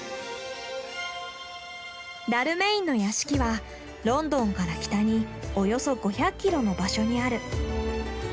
ダルメインの屋敷はロンドンから北におよそ５００キロの場所にある。